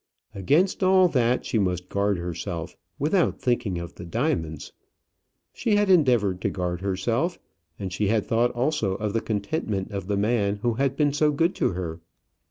Against all that she must guard herself, without thinking of the diamonds. She had endeavoured to guard herself, and she had thought also of the contentment of the man who had been so good to her.